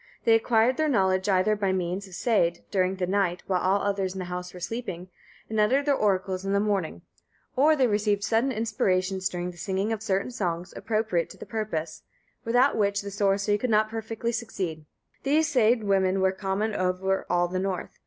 They acquired their knowledge either by means of seid, during the night, while all others in the house were sleeping, and uttered their oracles in the morning; or they received sudden inspirations during the singing of certain songs appropriate to the purpose, without which the sorcery could not perfectly succeed. These seid women were common over all the North.